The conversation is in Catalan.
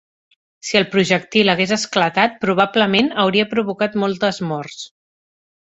Si el projectil hagués esclatat probablement hauria provocat moltes morts.